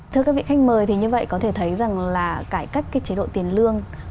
thưa các vị khách mời thì như vậy có thể thấy rằng là cải cách cái chế độ tiền lương